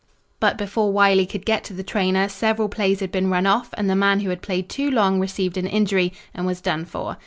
But before Wylie could get to the trainer, several plays had been run off and the man who had played too long received an injury, and was done for.